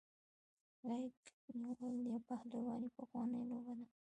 غیږ نیول یا پهلواني پخوانۍ لوبه ده.